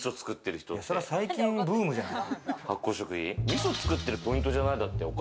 最近ブームじゃない？